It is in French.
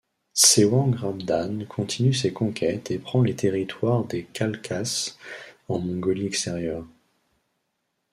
Tsewang Rabdan continue ses conquêtes et prend les territoires des Khalkhas en Mongolie-Extérieure.